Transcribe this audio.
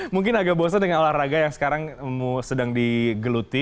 mungkin agak bosan dengan olahraga yang sekarang sedang digeluti